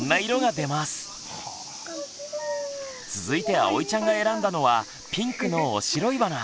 続いてあおいちゃんが選んだのはピンクのオシロイバナ。